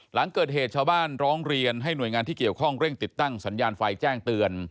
หลังเกิดเหตุชาวบ้านร้องเรียนให้หน่วยงานที่เกี่ยวข้องเร่งติดตั้งสัญญาณไฟแจ้งเตือน